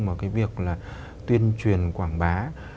một cái việc là tuyên truyền quảng bá